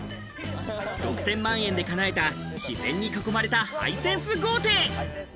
６０００万円で叶えた自然に囲まれたハイセンス豪邸。